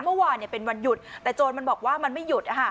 เมื่อวานเป็นวันหยุดแต่โจรมันบอกว่ามันไม่หยุด